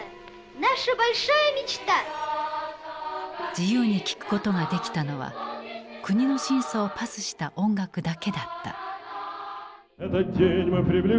自由に聴くことができたのは国の審査をパスした音楽だけだった。